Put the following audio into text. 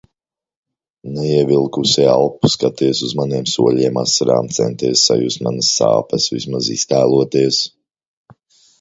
Neievilkusi elpu, skaties uz maniem soļiem, asarām, centies sajust manas sāpes, vismaz iztēloties.